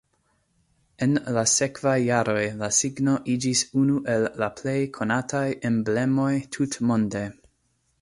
En la sekvaj jaroj la signo iĝis unu el la plej konataj emblemoj tutmonde.